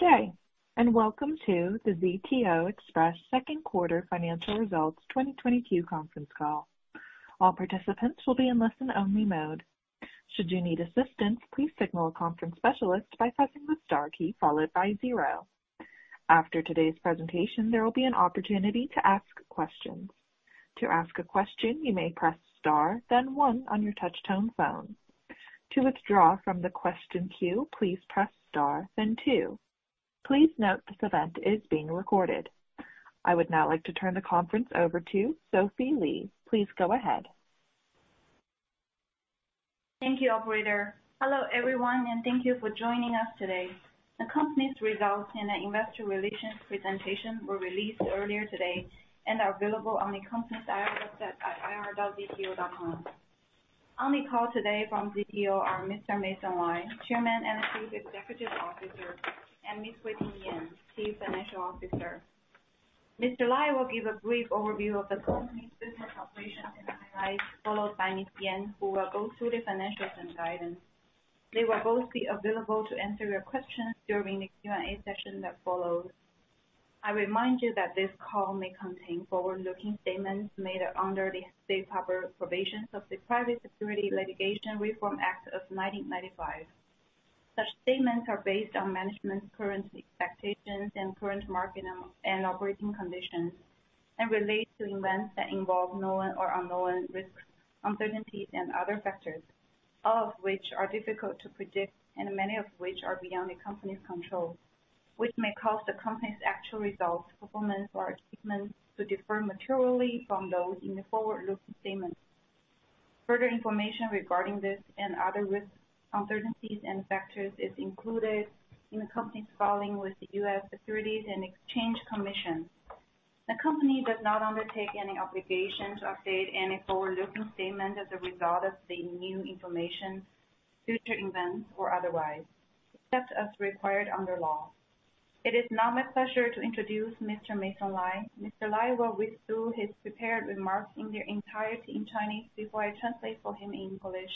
Good day, welcome to the ZTO Express Q2 financial results 2022 conference call. All participants will be in listen only mode. Should you need assistance, please signal a conference specialist by pressing the star key followed by zero. After today's presentation, there will be an opportunity to ask questions. To ask a question, you may press star then one on your touchtone phone. To withdraw from the question queue, please press star then two. Please note this event is being recorded. I would now like to turn the conference over to Sophie Li. Please go ahead. Thank you operator. Hello everyone, and thank you for joining us today. The company's results in the investor relations presentation were released earlier today and are available on the company's IR website at ir.zto.com. On the call today from ZTO are Mr. Meisong Lai, Chairman and Chief Executive Officer, and Ms. Huiping Yan, Chief Financial Officer. Mr. Lai will give a brief overview of the company's business operations and highlights, followed by Ms. Yan, who will go through the financials and guidance. They will both be available to answer your questions during the Q&A session that follows. I remind you that this call may contain forward-looking statements made under the safe harbor provisions of the Private Securities Litigation Reform Act of 1995. Such statements are based on management's current expectations and current market and operating conditions, and relate to events that involve known or unknown risks, uncertainties and other factors, all of which are difficult to predict and many of which are beyond the company's control, which may cause the company's actual results, performance or achievements to differ materially from those in the forward-looking statements. Further information regarding this and other risks, uncertainties and factors is included in the company's filing with the US Securities and Exchange Commission. The company does not undertake any obligation to update any forward-looking statement as a result of the new information, future events or otherwise, except as required under law. It is now my pleasure to introduce Mr. Meisong Lai. Mr. Lai will read through his prepared remarks in their entirety in Chinese before I translate for him in English.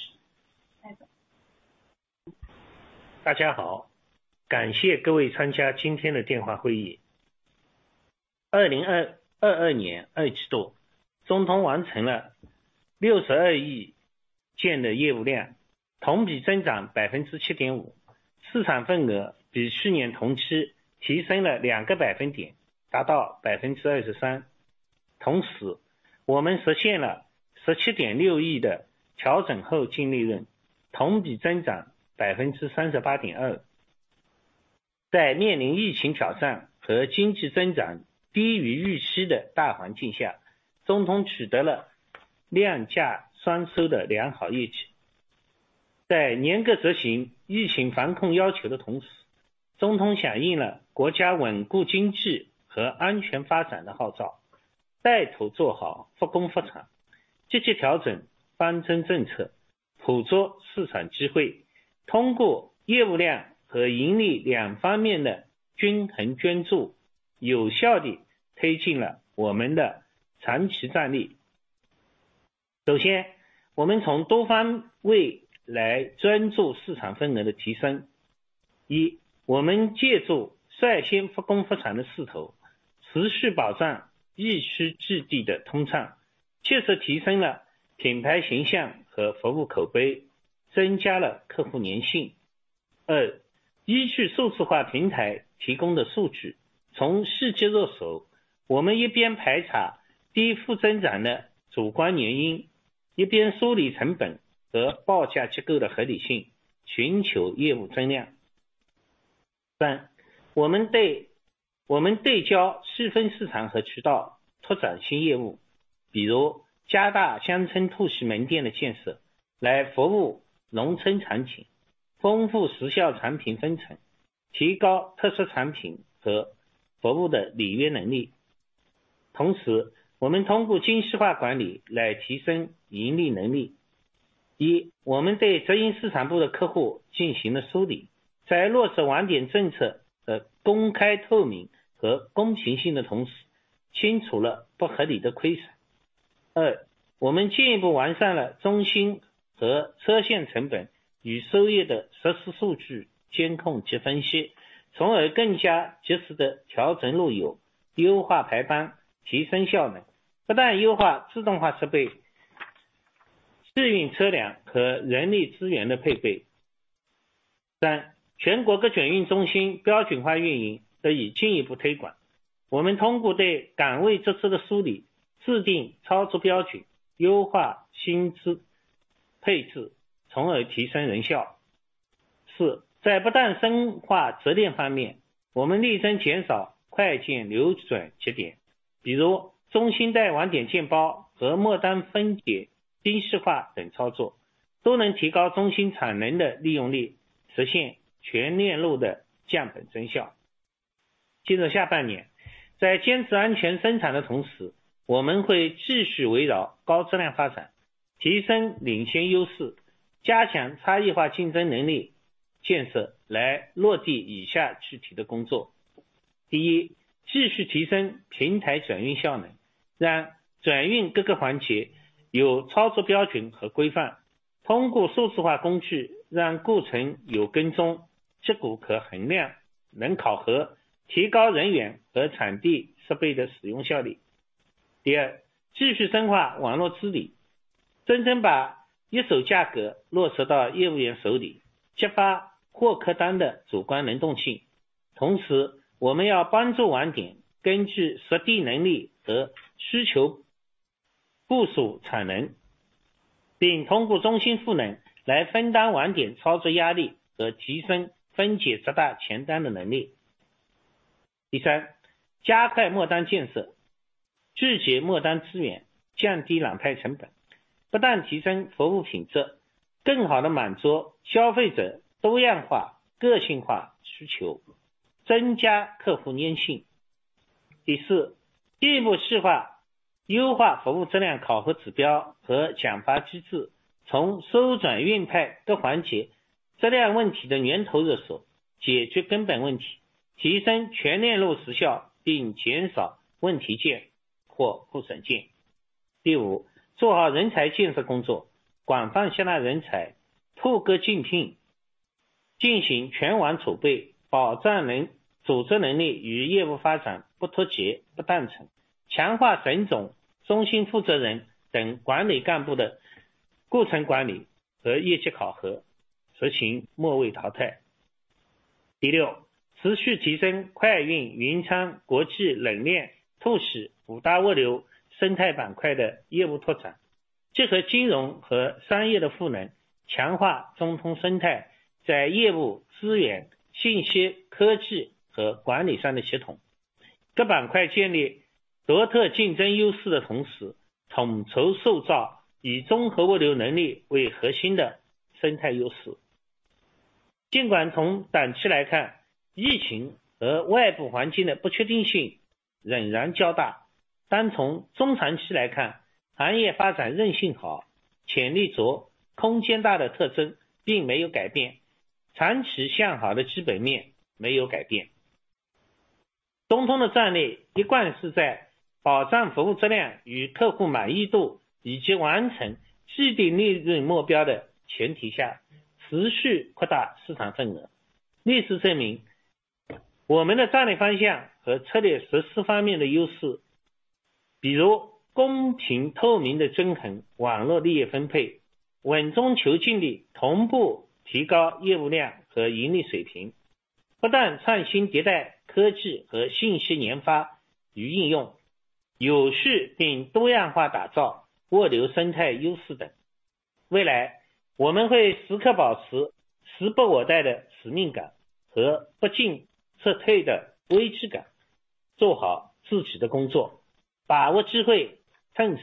Hello everyone and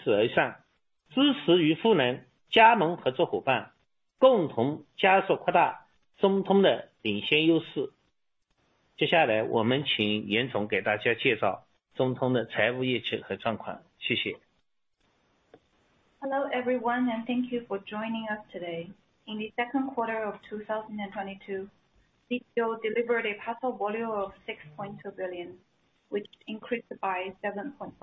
thank you for joining us today. In the second quarter of 2022, ZTO delivered a parcel volume of 6.2 billion, which increased by 7.5%,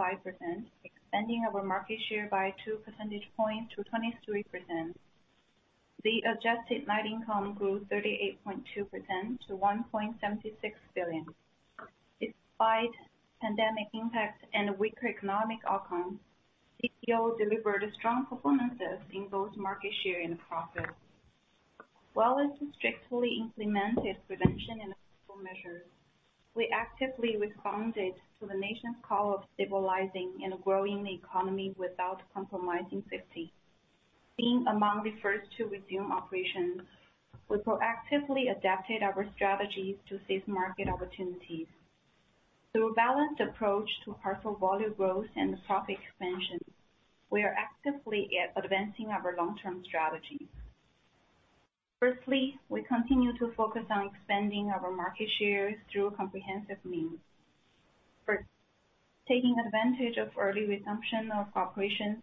expanding our market share by two percentage points to 23%. The adjusted net income grew 38.2% to 1.76 billion. Despite pandemic impacts and weaker economic outcomes, ZTO delivered strong performances in both market share and profit. While ZTO strictly implemented prevention and control measures, we actively responded to the nation's call of stabilizing and growing the economy without compromising safety. Being among the first to resume operations, we proactively adapted our strategies to seize market opportunities through a balanced approach to parcel volume growth and profit expansion. We are actively advancing our long-term strategies. Firstly, we continue to focus on expanding our market shares through comprehensive means. First, taking advantage of early resumption of operations,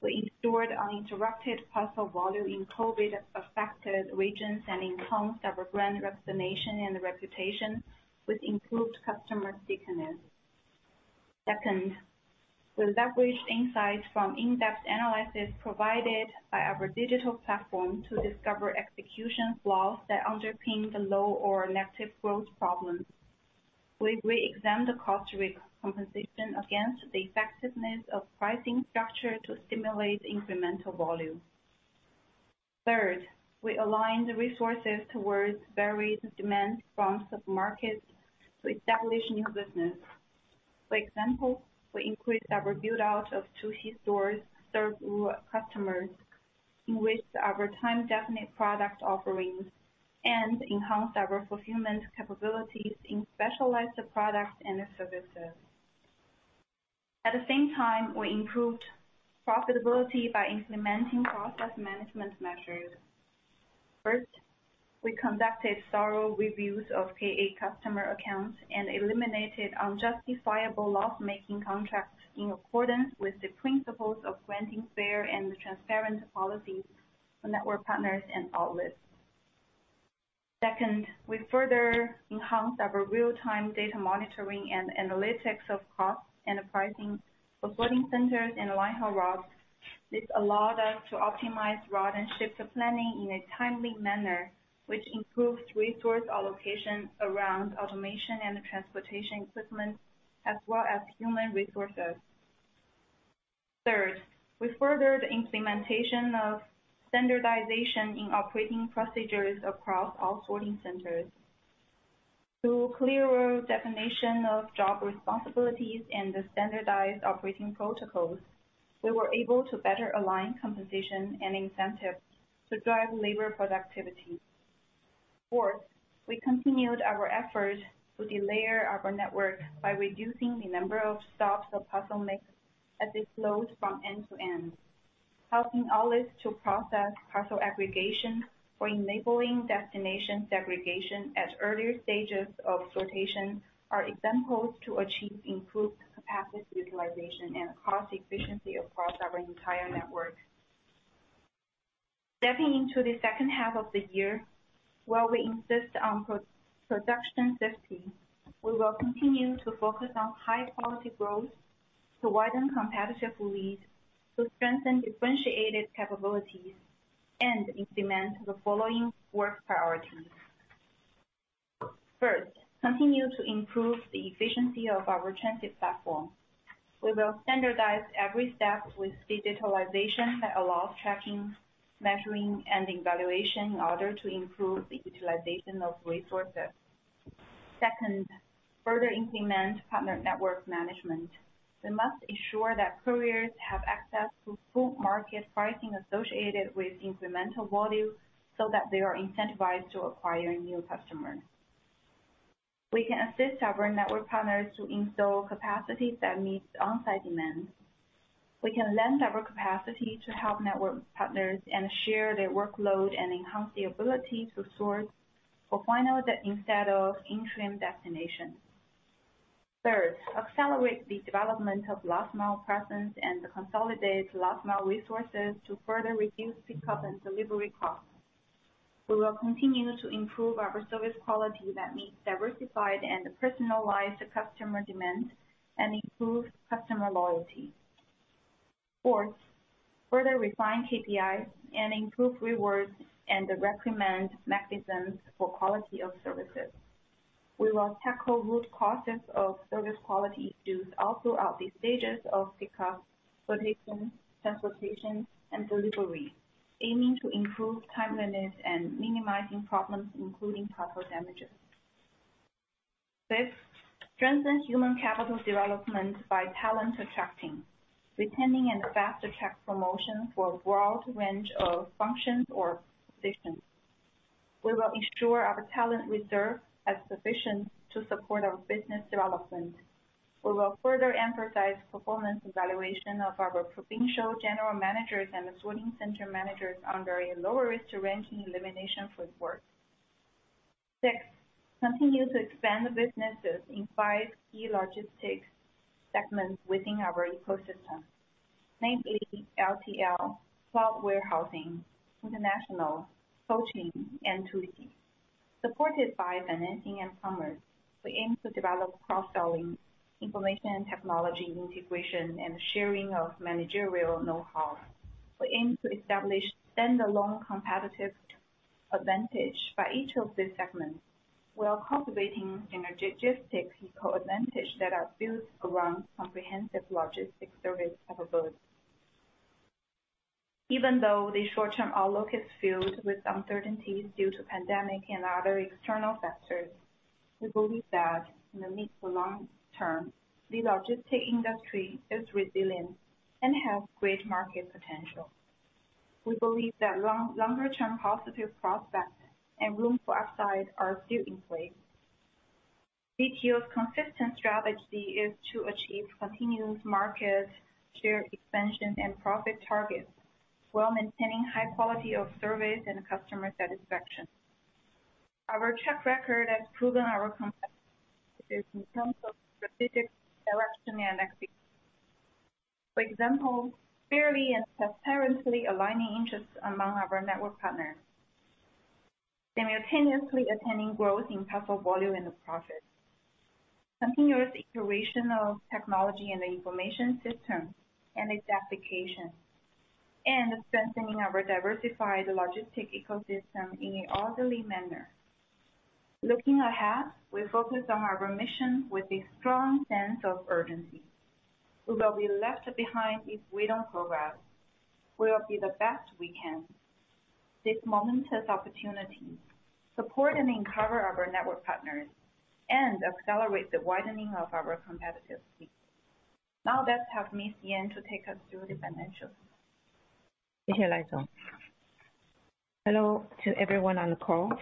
we restored uninterrupted parcel volume in COVID-affected regions and enhanced our brand recognition and reputation with improved customer stickiness. Second, we leverage insights from in-depth analysis provided by our digital platform to discover execution flaws that underpin the low or negative growth problems. We reexamine the cost compensation against the effectiveness of pricing structure to stimulate incremental volume. Third, we align the resources towards varied demand forms of markets to establish new business. For example, we increased our build out of two stores to serve customers, enriched our time definite product offerings, and enhanced our fulfillment capabilities in specialized products and services. At the same time, we improved profitability by implementing process management measures. First, we conducted thorough reviews of KA customer accounts and eliminated unjustifiable loss-making contracts in accordance with the principles of granting fair and transparent policies to network partners and outlets. Second, we further enhanced our real-time data monitoring and analytics of cost and pricing of sorting centers and line haul routes. This allowed us to optimize route and shift planning in a timely manner, which improved resource allocation around automation and transportation equipment, as well as human resources. Third, we furthered implementation of standardization in operating procedures across all sorting centers. Through clearer definition of job responsibilities and the standardized operating protocols, we were able to better align compensation and incentives to drive labor productivity. Fourth, we continued our effort to delayer our network by reducing the number of stops a parcel makes as it flows from end to end. Helping outlets to process parcel aggregation or enabling destination segregation at earlier stages of sortation are examples to achieve improved capacity utilization and cost efficiency across our entire network. Stepping into the second half of the year, while we insist on pro-production safety, we will continue to focus on high quality growth to widen competitive leads, to strengthen differentiated capabilities, and implement the following work priorities. First, continue to improve the efficiency of our transit platform. We will standardize every step with digitalization that allows tracking, measuring, and evaluation in order to improve the utilization of resources. Second, further implement partner network management. We must ensure that couriers have access to full market pricing associated with incremental volume so that they are incentivized to acquire new customers. We can assist our network partners to install capacity that meets on-site demands. We can lend our capacity to help network partners and share their workload and enhance the ability to sort for final instead of interim destinations. Third, accelerate the development of last mile presence and consolidate last mile resources to further reduce pickup and delivery costs. We will continue to improve our service quality that meets diversified and personalized customer demands and improves customer loyalty. Fourth, further refine KPIs and improve rewards and recommend mechanisms for quality of services. We will tackle root causes of service quality issues all throughout the stages of pickup, sortation, transportation, and delivery, aiming to improve timeliness and minimizing problems, including parcel damages. Fifth, strengthen human capital development by talent attracting, retaining, and fast-track promotion for a broad range of functions or positions. We will ensure our talent reserve as sufficient to support our business development. We will further emphasize performance evaluation of our provincial general managers and the sorting center managers under a lower risk ranking elimination framework. Sixth, continue to expand the businesses in five key logistics segments within our ecosystem, namely LTL, cloud warehousing, international, cold chain, and 2C. Supported by financing and commerce, we aim to develop cross-selling, information technology integration, and sharing of managerial know-how. We aim to establish stand-alone competitive advantage by each of these segments while cultivating synergistic ecosystem advantage that are built around comprehensive logistics service offerings. Even though the short-term outlook is filled with uncertainties due to pandemic and other external factors, we believe that in the mid to long term, the logistics industry is resilient and has great market potential. We believe that longer term positive prospects and room for upside are still in place. ZTO's consistent strategy is to achieve continuous market share expansion and profit targets while maintaining high quality of service and customer satisfaction. Our track record has proven our competitive advantage in terms of strategic direction and execution. For example, fairly and transparently aligning interests among our network partners, simultaneously attaining growth in parcel volume and the profit, continuous iteration of technology and information systems and its application, and strengthening our diversified logistics ecosystem in an orderly manner. Looking ahead, we focus on our mission with a strong sense of urgency. We will be left behind if we don't progress. We will be the best we can. This momentous opportunity support and empower our network partners and accelerate the widening of our competitive speed. Now let's have Ms. Huiping Yan take us through the financials. Thank you, Sophie Li. Hello to everyone on the call.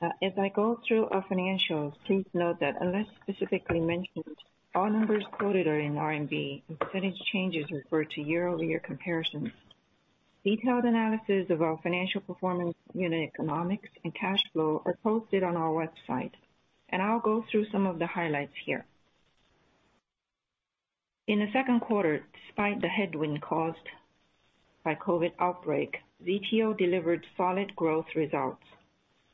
As I go through our financials, please note that unless specifically mentioned, all numbers quoted are in RMB, and percentage changes refer to year-over-year comparisons. Detailed analysis of our financial performance unit economics and cash flow are posted on our website, and I'll go through some of the highlights here. In the second quarter, despite the headwind caused by COVID outbreak, ZTO delivered solid growth results.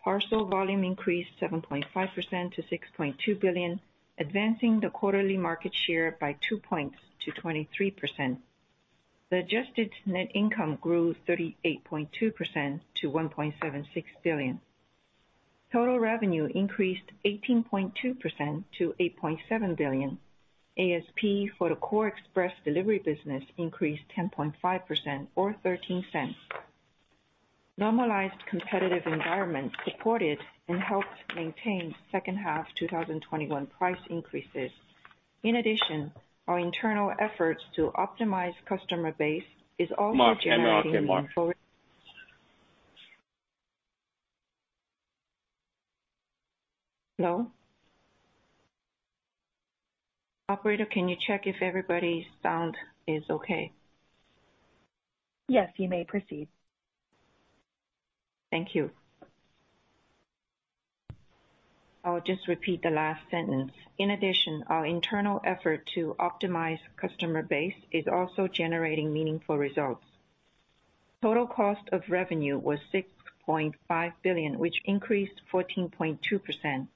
Parcel volume increased 7.5% to 6.2 billion, advancing the quarterly market share by two points to 23%. The adjusted net income grew 38.2% to 1.76 billion. Total revenue increased 18.2% to 8.7 billion. ASP for the core express delivery business increased 10.5% or $0.13. Normalized competitive environment supported and helped maintain second half 2021 price increases. In addition, our internal efforts to optimize customer base is also generating meaningful- I'll say Mark. Hello? Operator, can you check if everybody's sound is okay? Yes, you may proceed. Thank you. I'll just repeat the last sentence. In addition, our internal effort to optimize customer base is also generating meaningful results. Total cost of revenue was 6.5 billion, which increased 14.2%.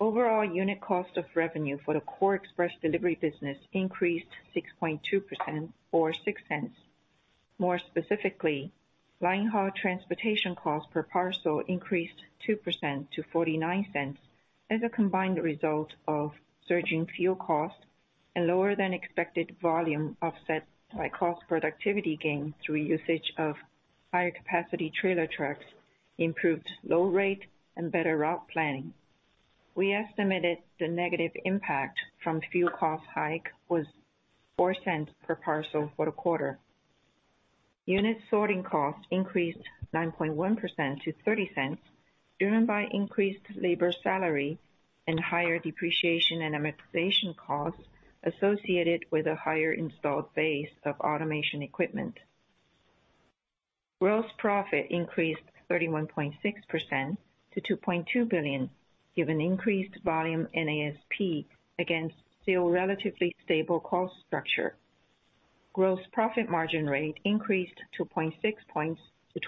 Overall unit cost of revenue for the core express delivery business increased 6.2% or $0.06. More specifically, line haul transportation cost per parcel increased 2% to $0.49 as a combined result of surging fuel costs and lower than expected volume offset by cost productivity gains through usage of higher capacity trailer trucks, improved load rate and better route planning. We estimated the negative impact from fuel cost hike was $0.04 per parcel for the quarter. Unit sorting cost increased 9.1% to $0.30, driven by increased labor salary and higher depreciation and amortization costs associated with a higher installed base of automation equipment. Gross profit increased 31.6% to 2.2 billion, given increased volume in ASP against still relatively stable cost structure. Gross profit margin rate increased 0.6 points to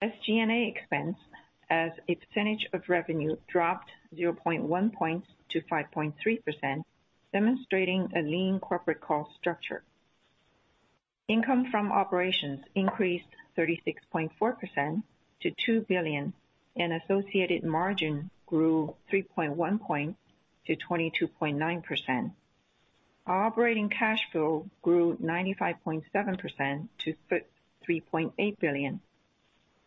25.4%. SG&A expense as a percentage of revenue dropped 0.1 points to 5.3%, demonstrating a lean corporate cost structure. Income from operations increased 36.4% to 2 billion and associated margin grew 3.1 points to 22.9%. Operating cash flow grew 95.7% to 3.8 billion.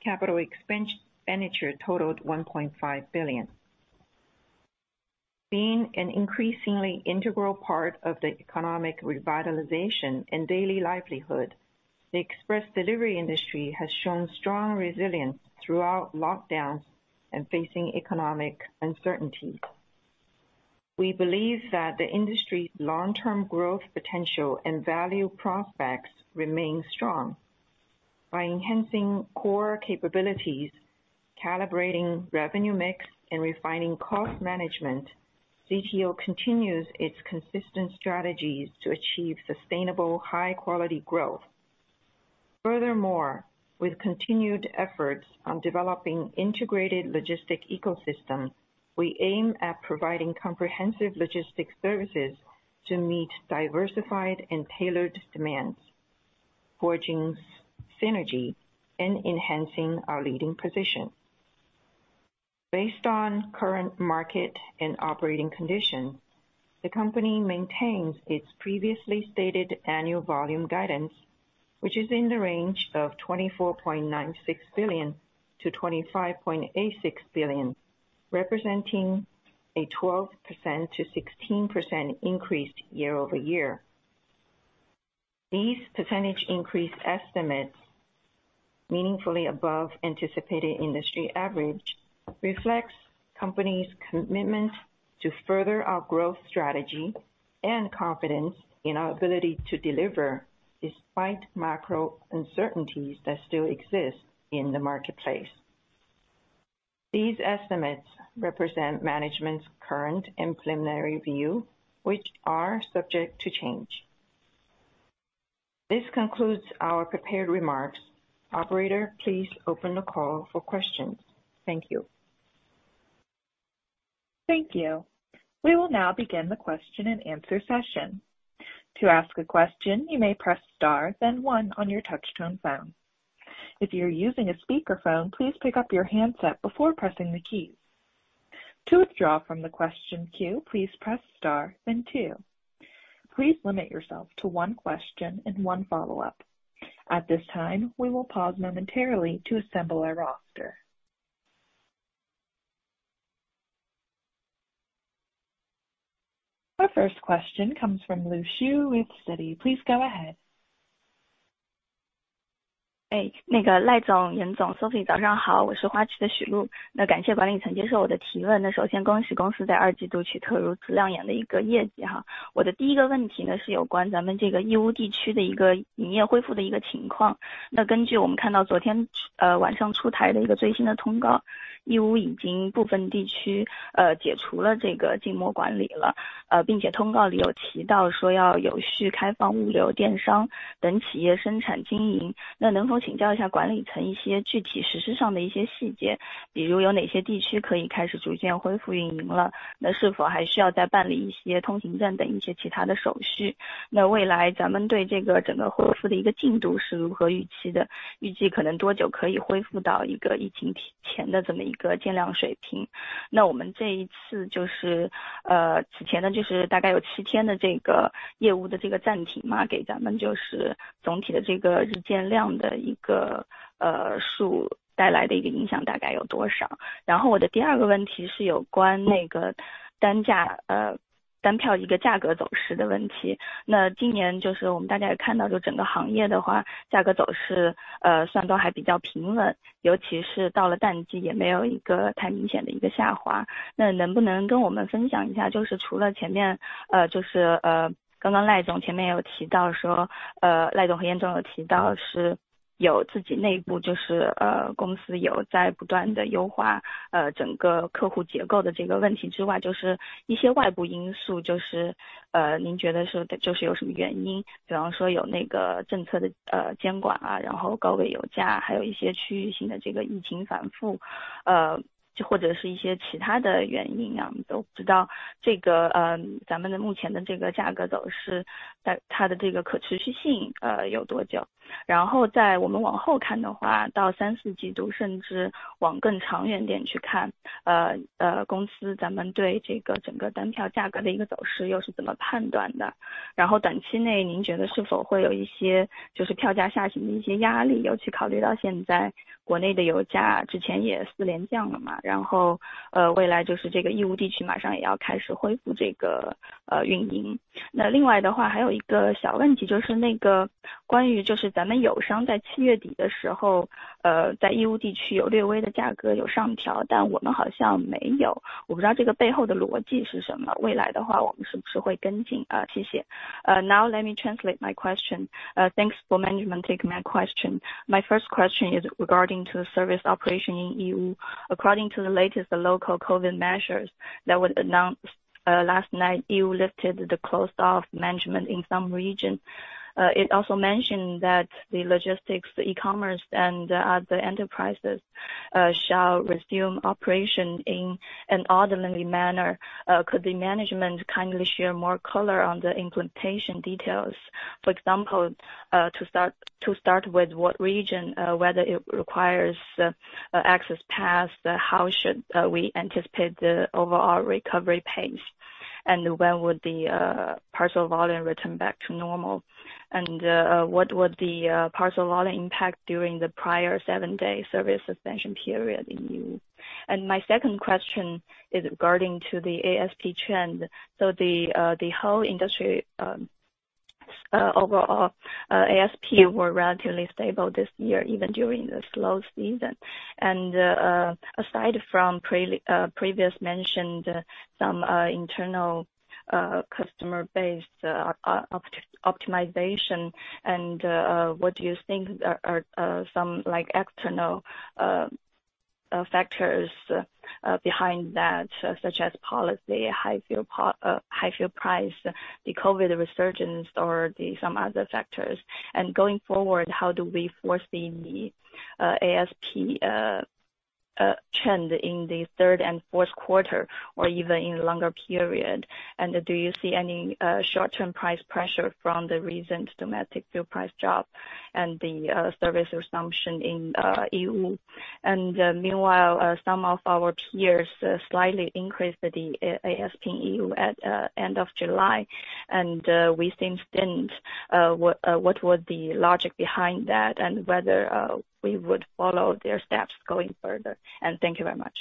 Capital expenditure totaled 1.5 billion. Being an increasingly integral part of the economic revitalization and daily livelihood, the express delivery industry has shown strong resilience throughout lockdowns and facing economic uncertainties. We believe that the industry's long-term growth potential and value prospects remain strong. By enhancing core capabilities, calibrating revenue mix, and refining cost management, ZTO continues its consistent strategies to achieve sustainable, high-quality growth. Furthermore, with continued efforts on developing integrated logistic ecosystem, we aim at providing comprehensive logistics services to meet diversified and tailored demands, forging synergy and enhancing our leading position. Based on current market and operating conditions, the company maintains its previously stated annual volume guidance, which is in the range of 24.96 billion-25.86 billion, representing a 12%-16% increase year-over-year. These percentage increase estimates, meaningfully above anticipated industry average, reflects company's commitment to further our growth strategy and confidence in our ability to deliver despite macro uncertainties that still exist in the marketplace. These estimates represent management's current and preliminary view, which are subject to change. This concludes our prepared remarks. Operator, please open the call for questions. Thank you. Thank you. We will now begin the question and answer session. To ask a question, you may press star then one on your touch tone phone. If you're using a speaker phone, please pick up your handset before pressing the keys. To withdraw from the question queue, please press star then two. Please limit yourself to one question and one follow-up. At this time, we will pause momentarily to assemble our roster. Our first question comes from Lu Xiu with Citi. Please go ahead. Hey, 那另外的话，还有一个小问题，就是那个关于就是咱们友商在七月底的时候，在义乌地区有略微的价格有上调，但我们好像没有，我不知道这个背后的逻辑是什么，未来的话我们是不是会跟进。谢谢。My first question is regarding to the service operation in Yiwu according to the latest local COVID measures that was announced last night. Yiwu lifted the closed off management in some region. It also mentioned that the logistics, e-commerce and other enterprises shall resume operation in an orderly manner. Could the management kindly share more color on the implementation details, for example, to start with what region, whether it requires access pass, how should we anticipate the overall recovery pace? When would the parcel volume return back to normal? What would the parcel volume impact during the prior seven days service suspension period in Yiwu? My second question is regarding to the ASP trend. The whole industry, overall, ASP were relatively stable this year, even during the slow season. Aside from previously mentioned some internal customer based optimization and what do you think are some like external factors behind that, such as policy, high fuel price, the COVID resurgence, or some other factors? Going forward, how do we foresee the ASP trend in the third and fourth quarter or even in longer period? Do you see any short term price pressure from the recent domestic fuel price drop and the service resumption in Yiwu? Meanwhile some of our peers slightly increased the ASP in Yiwu at end of July. Since then, what would the logic behind that and whether we would follow their steps going further? Thank you very much.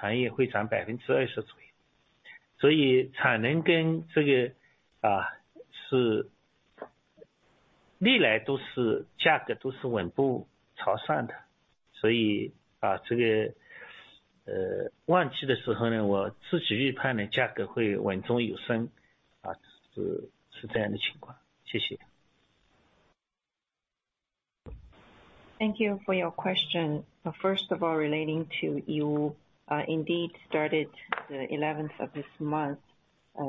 Thank you for your question. First of all, relating to Yiwu, indeed started the eleventh of this month.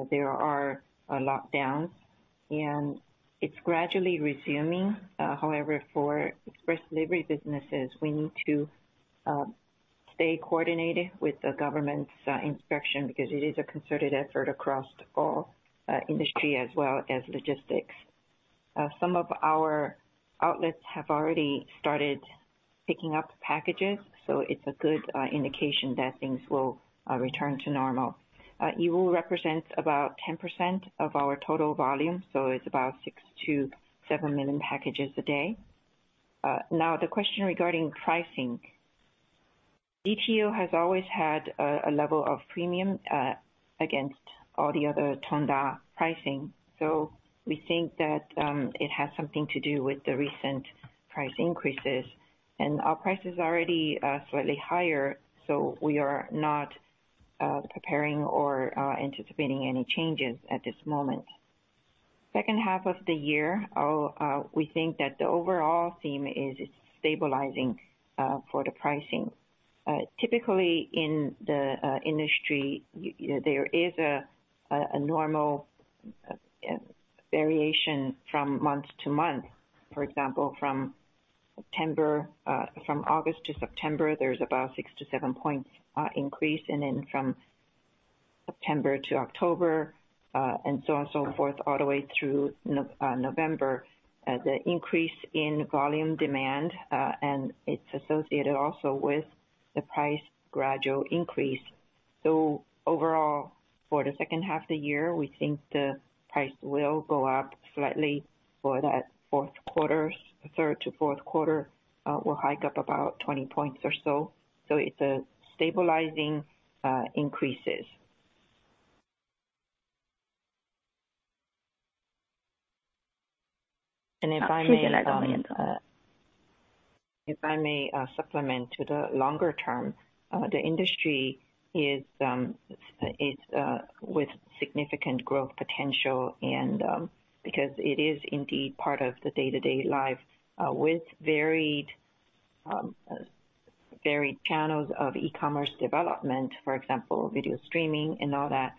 There are lockdowns and it's gradually resuming. However, for express delivery businesses, we need to stay coordinated with the government's inspection because it is a concerted effort across all industry as well as logistics. Some of our outlets have already started picking up packages. It's a good indication that things will return to normal. Yiwu represents about 10% of our total volume, so it's about 6-7 million packages a day. Now the question regarding pricing. ZTO has always had a level of premium against all the other Tongda pricing. We think that it has something to do with the recent price increases. Our price is already slightly higher, so we are not preparing or anticipating any changes at this moment. Second half of the year, we think that the overall theme is it's stabilizing for the pricing. Typically in the industry, you know, there is a normal variation from month to month. For example, from August to September, there's about 6-7 points increase. From September to October, and so on and so forth, all the way through November. The increase in volume demand, and it's associated also with the price gradual increase. Overall, for the second half of the year, we think the price will go up slightly for that fourth quarter. Third to fourth quarter, will hike up about 20 points or so. It's a stabilizing increases. If I may supplement to the longer term, the industry is with significant growth potential and because it is indeed part of the day-to-day life with varied channels of e-commerce development, for example, video streaming and all that.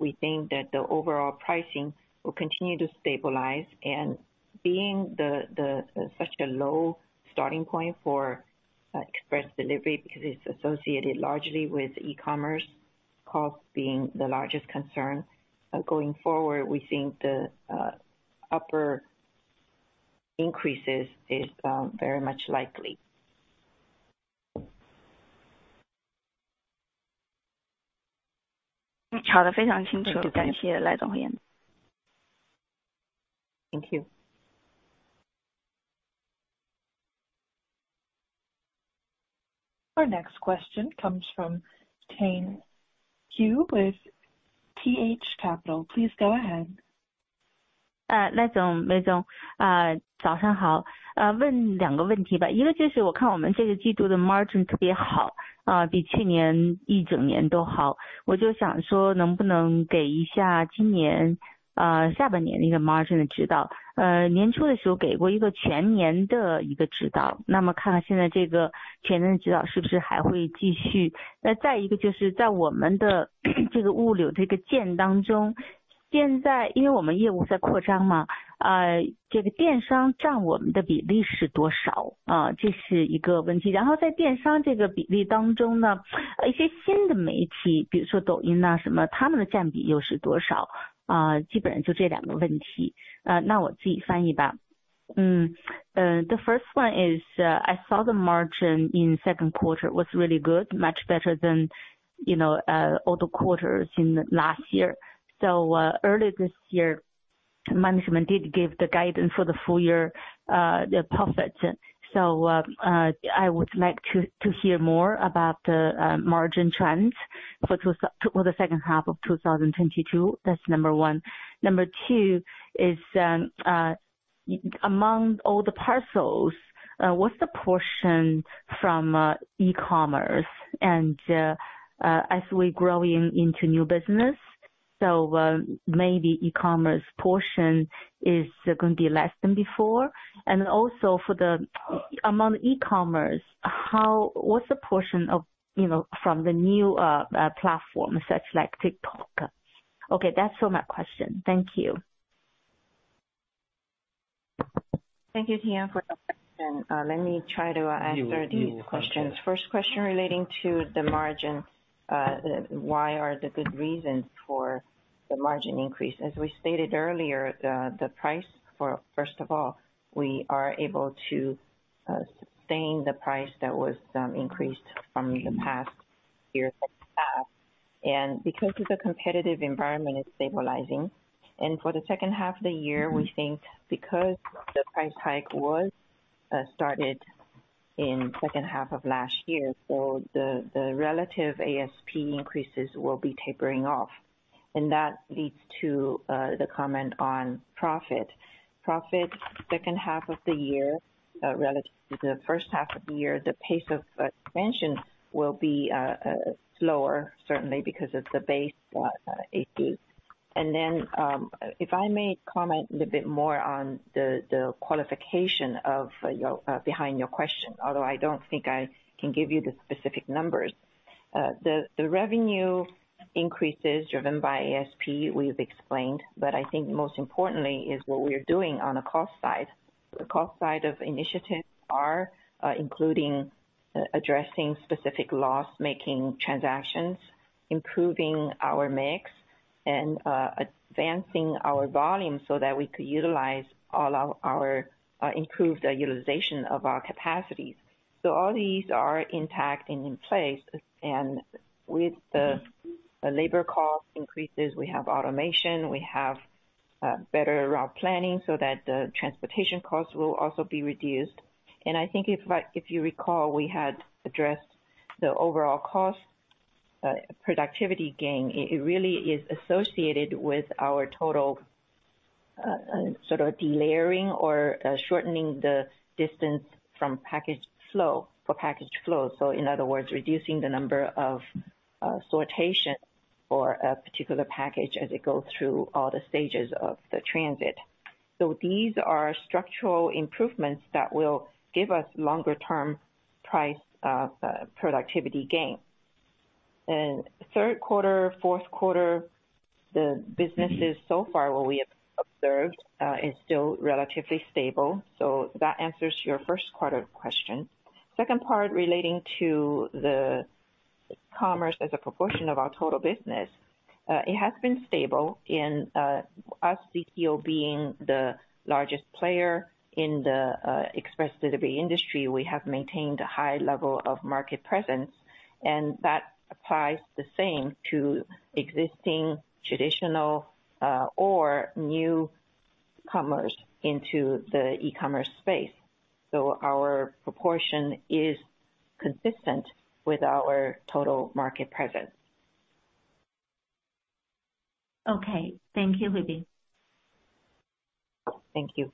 We think that the overall pricing will continue to stabilize and being the such a low starting point for express delivery because it's associated largely with e-commerce, cost being the largest concern. Going forward, we think the upper increases is very much likely. Thank you. Our next question comes from Tian X. Hou with TH Capital. Please go ahead. The first one is, I saw the margin in second quarter was really good. Much better than, you know, all the quarters in the last year. Earlier this year, management did give the guidance for the full year, the profits. I would like to hear more about the margin trends for the second half of 2022. That's number one. Number two is, among all the parcels, what's the portion from e-commerce? And, as we grow into new business. Maybe e-commerce portion is going to be less than before? Also, among e-commerce, what's the portion of, you know, from the new platform such as TikTok? Okay, that's all my question. Thank you. Thank you, Tian, for the question. Let me try to answer these questions. First question relating to the margin, why are the good reasons for the margin increase? As we stated earlier, the price for first of all, we are able to sustain the price that was increased from the past year that we have. Because of the competitive environment is stabilizing. For the second half of the year, we think because the price hike was started in second half of last year, so the relative ASP increases will be tapering off. That leads to the comment on profit. Profit second half of the year relative to the first half of the year, the pace of expansion will be slower certainly because of the base ASP. If I may comment a little bit more on the qualification behind your question, although I don't think I can give you the specific numbers. The revenue increases driven by ASP, we've explained, but I think most importantly is what we are doing on the cost side. The cost side initiatives are including addressing specific loss-making transactions, improving our mix, and advancing our volume so that we could improve the utilization of our capacities. So all these are impacting in place, and with the labor cost increases, we have automation, we have better route planning so that the transportation costs will also be reduced. I think if you recall, we had addressed the overall cost, productivity gain. It really is associated with our total sort of delayering or shortening the distance from package flow for package flow. In other words, reducing the number of sortation for a particular package as it goes through all the stages of the transit. These are structural improvements that will give us longer-term pricing productivity gain. Third quarter, fourth quarter, the businesses so far what we have observed is still relatively stable. That answers your first part of question. Second part relating to the e-commerce as a proportion of our total business, it has been stable and, as ZTO being the largest player in the express delivery industry, we have maintained a high level of market presence, and that applies the same to existing traditional or new e-commerce into the e-commerce space. Our proportion is consistent with our total market presence. Okay. Thank you, Huiping. Thank you.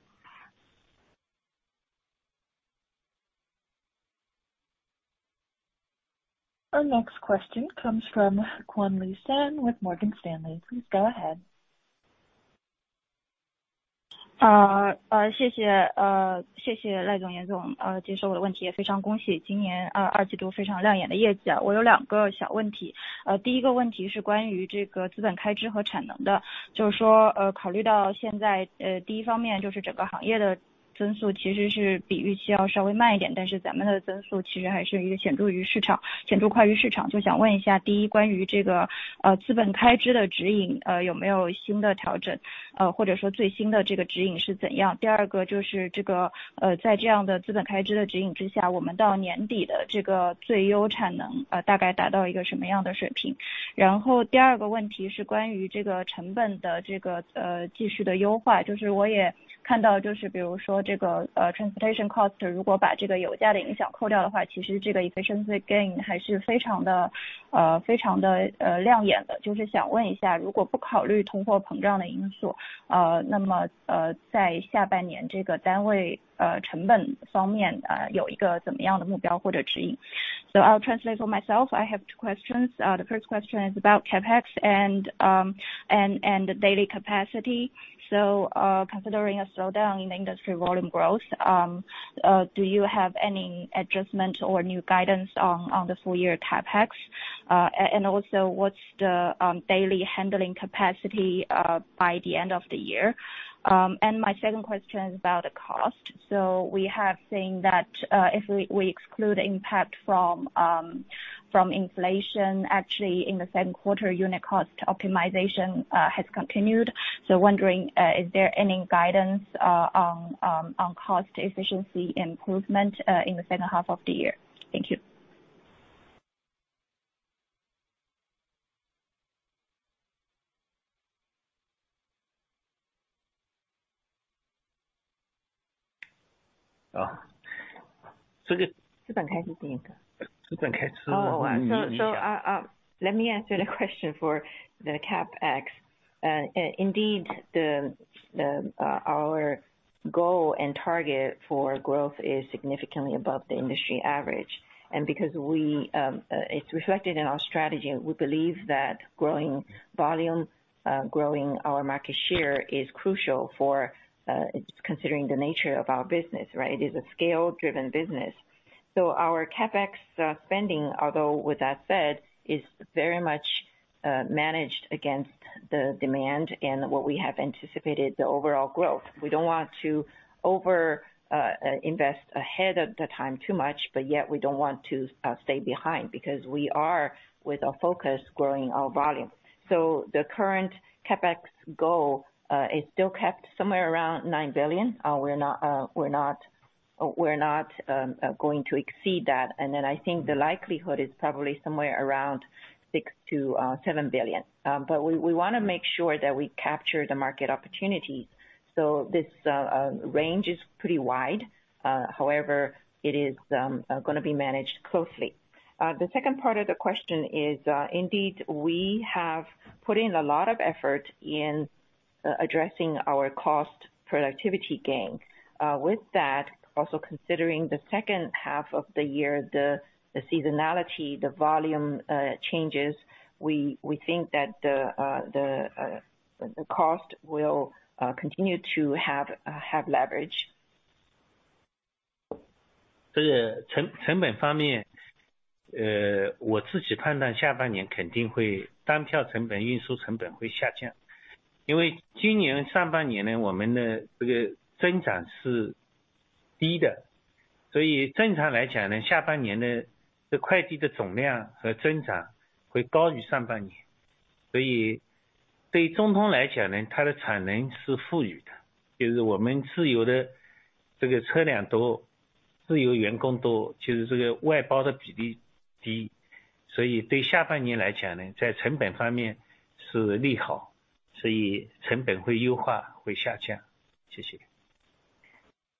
Our next question comes from Ronald Keung with Goldman Sachs. Please go ahead. 谢谢赖总、严总，接受我的问题。非常恭喜今年二季度非常亮眼的业绩啊。我有两个小问题。第一个问题是关于这个资本开支和产能的。就是说，考虑到现在... cost，如果把这个油价的影响扣掉的话，其实这个efficiency gain还是非常的亮眼的。就是想问一下，如果不考虑通货膨胀的因素，那么在下半年这个单位成本方面，有一个怎么样的目标或者指引？So I'll translate for myself. I have two questions. The first question is about CapEx and daily capacity. Considering a slowdown in industry volume growth, do you have any adjustment or new guidance on the full year CapEx? And also what's the daily handling capacity by the end of the year? My second question is about the cost. We have seen that, if we exclude impact from inflation, actually in the second quarter, unit cost optimization has continued. Wondering, is there any guidance on cost efficiency improvement in the second half of the year? Thank you. Oh. 资本开支是哪个？ 资本开支Let me answer the question for the CapEx. Indeed, our goal and target for growth is significantly above the industry average. Because it's reflected in our strategy, we believe that growing volume, growing our market share is crucial for considering the nature of our business, right? It is a scale-driven business. Our CapEx spending, although with that said, is very much managed against the demand and what we have anticipated the overall growth. We don't want to overinvest ahead of the time too much, but yet we don't want to stay behind because we are, with our focus, growing our volume. The current CapEx goal is still kept somewhere around 9 billion. We're not going to exceed that. I think the likelihood is probably somewhere around 6 billion-7 billion. We wanna make sure that we capture the market opportunities. This range is pretty wide. However, it is gonna be managed closely. The second part of the question is, indeed we have put in a lot of effort in addressing our cost productivity gain. With that, also considering the second half of the year, the seasonality, the volume changes, we think that the cost will continue to have leverage.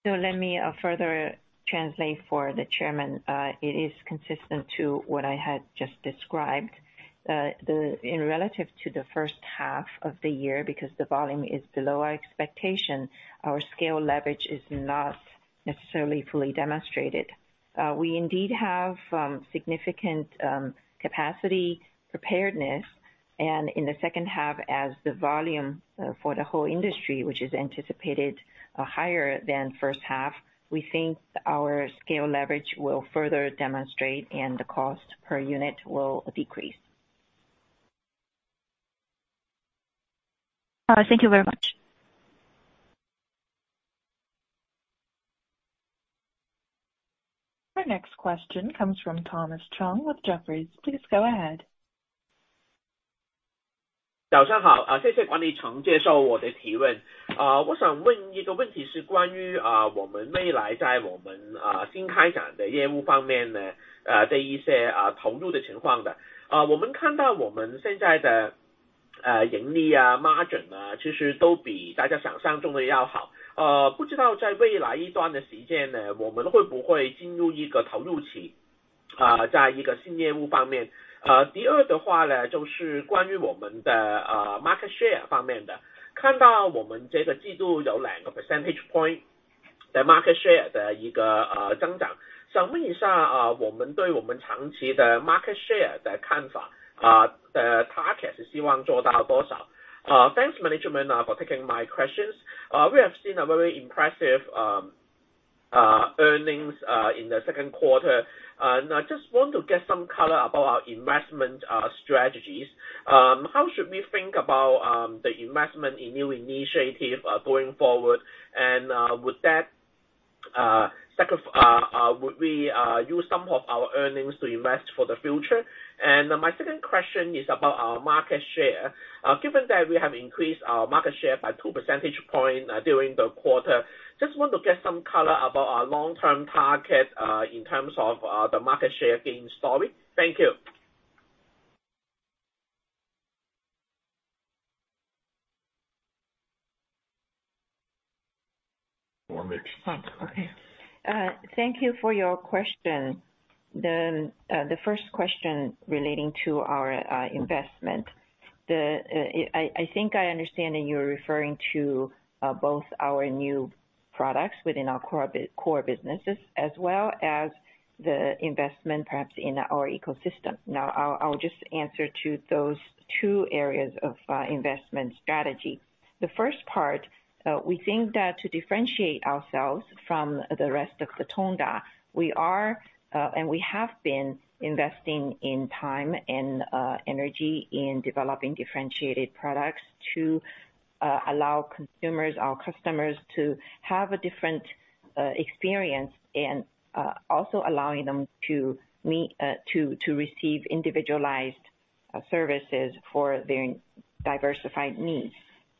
Let me further translate for the chairman. It is consistent to what I had just described. The In relation to the first half of the year, because the volume is below our expectation, our scale leverage is not necessarily fully demonstrated. We indeed have significant capacity preparedness. In the second half as the volume for the whole industry, which is anticipated higher than first half, we think our scale leverage will further demonstrate, and the cost per unit will decrease. Thank you very much. Our next question comes from Thomas Chong with Jefferies. Please go ahead. Thanks management for taking my questions. We have seen a very impressive earnings in the second quarter. I just want to get some color about investment strategies. How should we think about the investment in new initiative going forward? With that, would we use some of our earnings to invest for the future? My second question is about our market share. Given that we have increased our market share by two percentage points during the quarter, just want to get some color about our long-term target in terms of the market share gain story. Thank you. One moment. Thank you for your question. The first question relating to our investment. I think I understand that you're referring to both our new products within our core businesses as well as the investment perhaps in our ecosystem. Now, I'll just answer to those two areas of investment strategy. The first part, we think that to differentiate ourselves from the rest of the Tongda, we are and we have been investing in time and energy in developing differentiated products to allow consumers or customers to have a different experience, and also allowing them to receive individualized services for their diversified needs.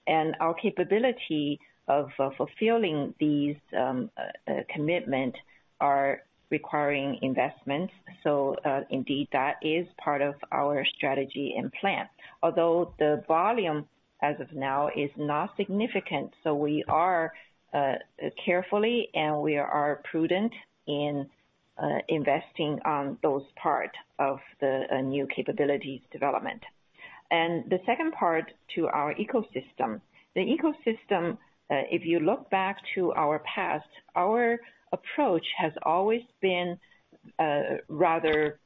Our capability of fulfilling these commitment are requiring investments. Indeed, that is part of our strategy and plan. Although the volume as of now is not significant, we are carefully and prudent in investing on those part of the new capabilities development. The second part to our ecosystem. The ecosystem, if you look back to our past, our approach has always been rather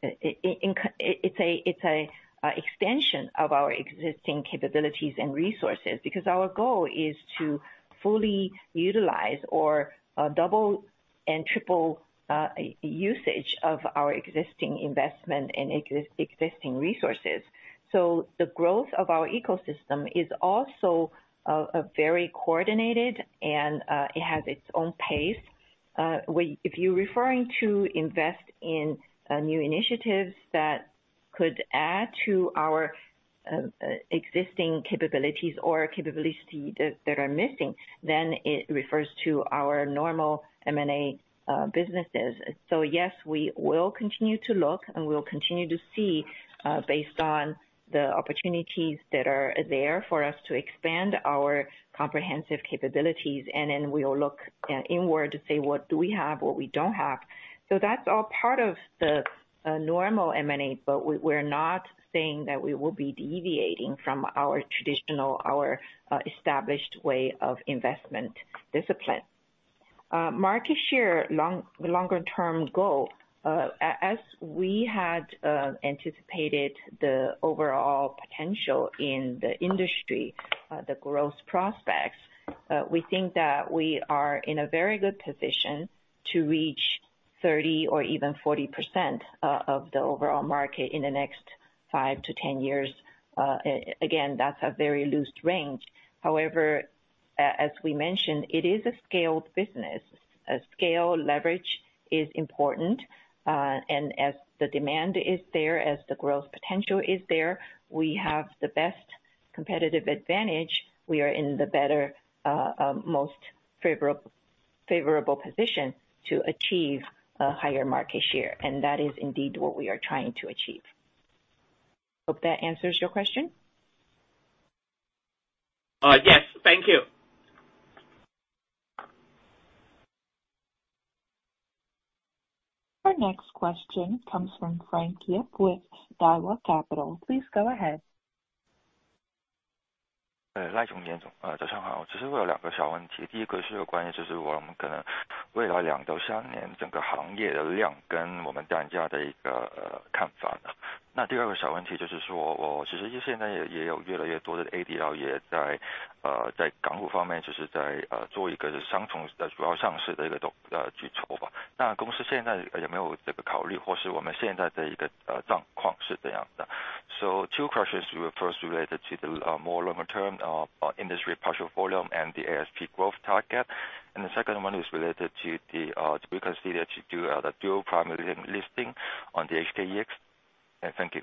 it's an extension of our existing capabilities and resources, because our goal is to fully utilize or double and triple usage of our existing investment and existing resources. The growth of our ecosystem is also very coordinated and it has its own pace. If you're referring to invest in new initiatives that could add to our existing capabilities or capabilities that are missing, then it refers to our normal M&A businesses. Yes, we will continue to look and we'll continue to see, based on the opportunities that are there for us to expand our comprehensive capabilities. We'll look inward to say, "What do we have, what we don't have?" That's all part of the normal M&A, but we're not saying that we will be deviating from our traditional, our established way of investment discipline. Market share longer-term goal, as we had anticipated the overall potential in the industry, the growth prospects, we think that we are in a very good position to reach 30% or even 40% of the overall market in the next 5-10 years. Again, that's a very loose range. However, as we mentioned, it is a scaled business. Scale, leverage is important. As the demand is there, as the growth potential is there, we have the best competitive advantage. We are in the better, most favorable position to achieve a higher market share, and that is indeed what we are trying to achieve. Hope that answers your question. Yes, thank you. Our next question comes from Frank Yip with Daiwa Capital. Please go ahead. Two questions. The first related to the more longer-term industry parcel volume and the ASP growth target. The second one is related to do you consider to do a dual primary listing on the HKEX? Thank you.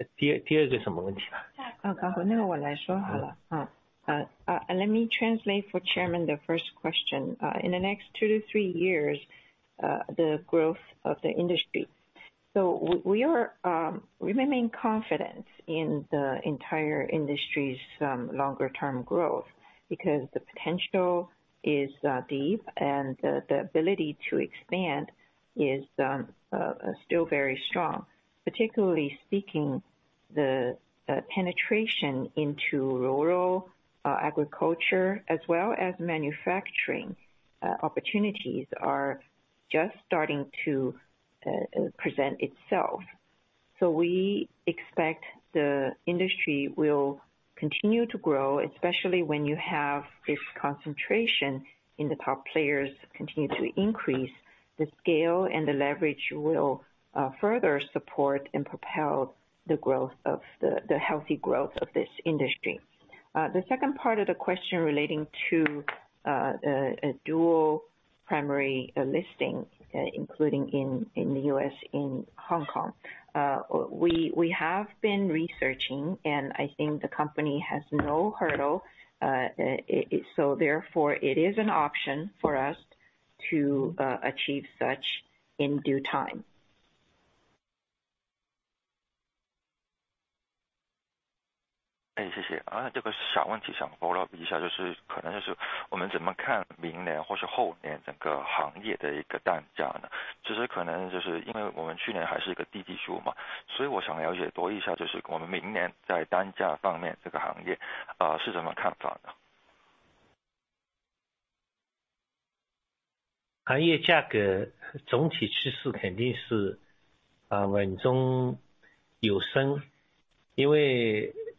Let me translate for Chairman the first question, in the next 2-3 years, the growth of the industry. We are remaining confidence in the entire industry's longer term growth because the potential is deep and the ability to expand is still very strong, particularly seeking the penetration into rural agriculture as well as manufacturing opportunities are just starting to present itself. We expect the industry will continue to grow, especially when you have this concentration in the top players continue to increase, the scale and the leverage will further support and propel the healthy growth of this industry. The second part of the question relating to a dual primary listing, including in the US, in Hong Kong. We have been researching and I think the company has no hurdle, so therefore it is an option for us to achieve such in due time.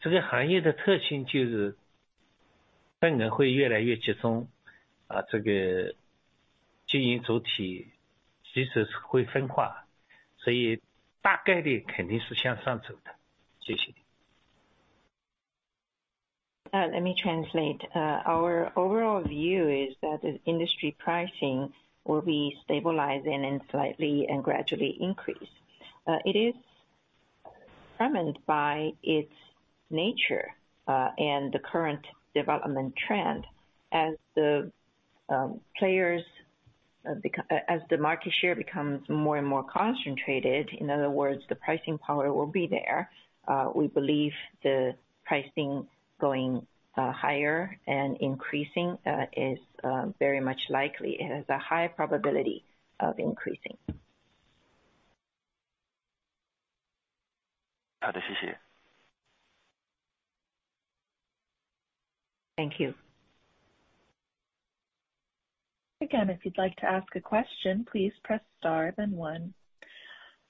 Let me translate. Our overall view is that the industry pricing will be stabilizing and slightly and gradually increase. It is determined by its nature, and the current development trend as the players, the market share becomes more and more concentrated. In other words, the pricing power will be there. We believe the pricing going higher and increasing is very much likely. It has a high probability of increasing. 好的，谢谢。Thank you. Again, if you'd like to ask a question, please press star then one.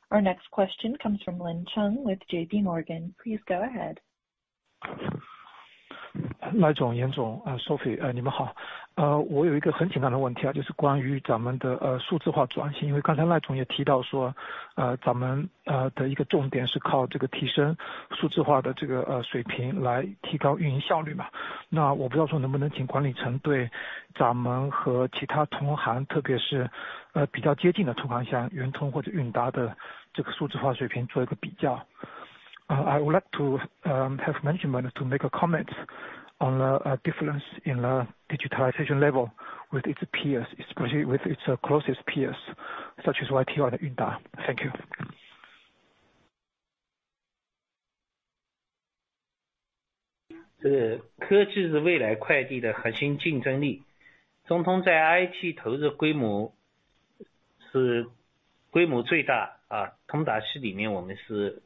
Our next question comes from Lin Chen with JP Morgan. Please go ahead. 赖总、严总、Sophie，你们好。我有一个很简单的问题，就是关于咱们的数字化转型，因为刚才赖总也提到说，咱们的一个重点是靠这个提升数字化的这个水平来提高运营效率吧。那我不知道说能不能请管理层对咱们和其他同行，特别是比较接近的同行，像圆通或者韵达的这个数字化水平做一个比较。I would like to have management to make a comment on the difference in digitalization level with its peers, especially with its closest peers such as YTO and Yunda Express. Thank you.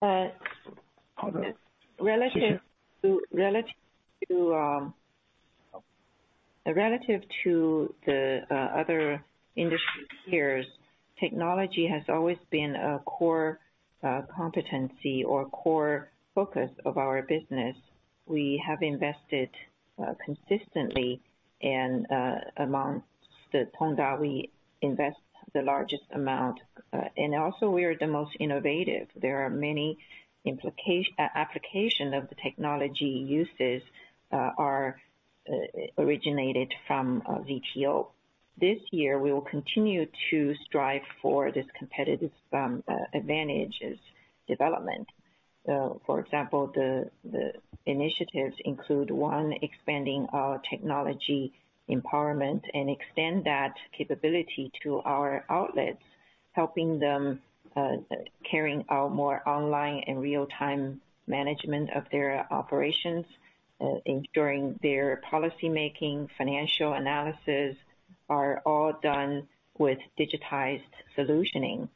Uh- 好的。Relative to the other industry peers, technology has always been a core competency or core focus of our business. We have invested consistently and, amongst the Tongda, we invest the largest amount. Also we are the most innovative. There are many applications of the technologies originated from ZTO. This year we will continue to strive for this competitive advantages development. For example, the initiatives include one, expanding our technology empowerment and extend that capability to our outlets, helping them carrying out more online and real-time management of their operations, ensuring their policy-making, financial analysis are all done with digitized solutioning.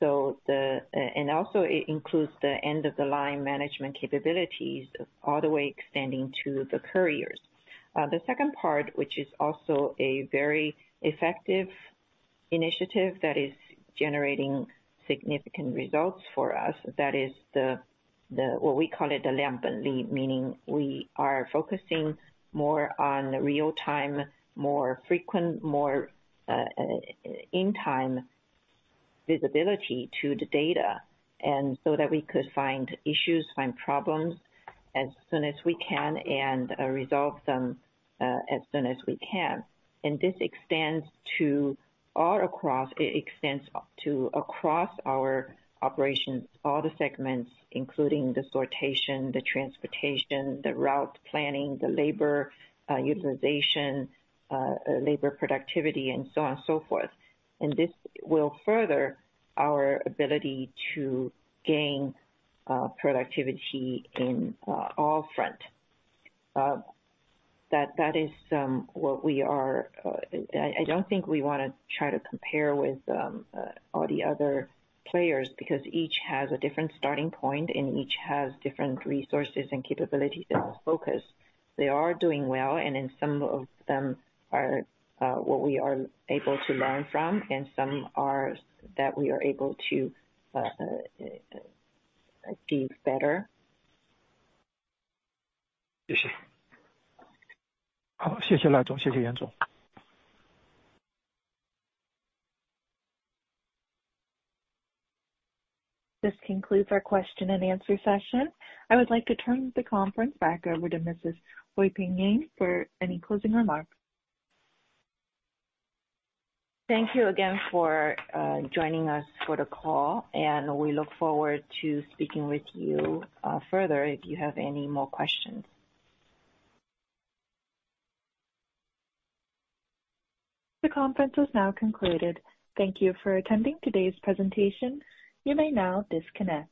Also it includes the end-to-end management capabilities all the way extending to the couriers. The second part, which is also a very effective initiative that is generating significant results for us, meaning we are focusing more on real-time, more frequent, in time visibility to the data, and so that we could find issues, find problems as soon as we can, and resolve them as soon as we can. This extends to our operations, all the segments, including the sortation, the transportation, the route planning, the labor utilization, labor productivity and so on and so forth. This will further our ability to gain productivity in all fronts. That is something we are. I don't think we want to try to compare with all the other players, because each has a different starting point and each has different resources and capabilities and focus. They are doing well, and then some of them are what we are able to learn from and some that we are able to do better. 谢谢。好，谢谢赖总，谢谢严总。This concludes our question and answer session. I would like to turn the conference back over to Mrs. Huiping Yan for any closing remarks. Thank you again for joining us for the call, and we look forward to speaking with you further if you have any more questions. The conference is now concluded. Thank you for attending today's presentation. You may now disconnect.